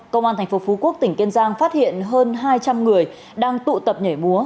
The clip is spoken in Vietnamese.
công an tp phú quốc tỉnh kiên giang phát hiện hơn hai trăm linh người đang tụ tập nhảy búa